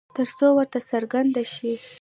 ترڅو ورته څرگنده شي